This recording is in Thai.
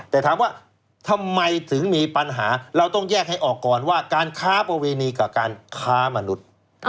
แต่ถามว่าทำไมถึงมีปัญหาเราต้องแยกให้ออกก่อนว่าการค้าประเวณีกับการค้ามนุษย์